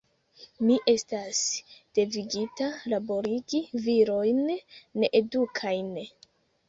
Mi estas devigita laborigi virojn needukitajn.